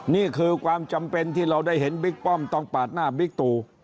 นี่คือความจำเป็นที่เราได้เห็นบิ๊กป้อมต้องปาดหน้าบิ๊กตู